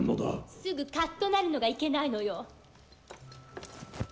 すぐカッとなるのがいけないのよ。